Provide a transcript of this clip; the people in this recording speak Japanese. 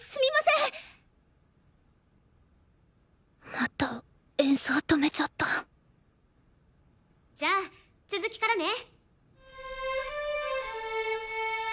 また演奏止めちゃったじゃあ続きからね！